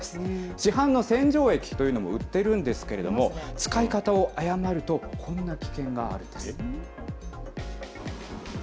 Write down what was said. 市販の洗浄液というのも売っているんですけれども、使い方を誤るとこんな危険があるんです。